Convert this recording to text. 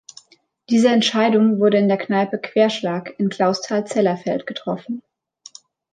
Diese Entscheidung wurde in der Kneipe "Querschlag" in Clausthal-Zellerfeld getroffen.